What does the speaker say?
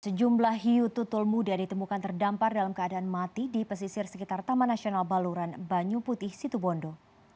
sejumlah hiu tutul muda ditemukan terdampar dalam keadaan mati di pesisir sekitar taman nasional baluran banyu putih situbondo